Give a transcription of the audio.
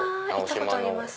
行ったことあります。